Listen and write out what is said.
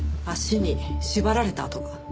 足に縛られた痕が。